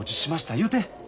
言うて。